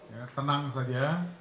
ya tenang saja